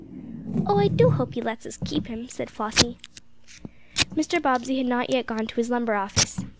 "Oh, I do hope he lets us keep him," said Flossie. Mr. Bobbsey had not yet gone to his lumber office.